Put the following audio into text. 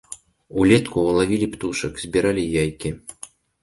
Улетку лавілі птушак, збіралі яйкі.